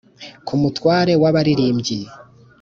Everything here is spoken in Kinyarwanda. Ku mutware w abaririmbyi